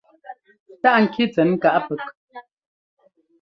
Táꞌ ŋki tsɛn káꞌ pɛk.